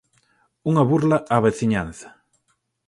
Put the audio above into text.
"Unha burla á veciñanza".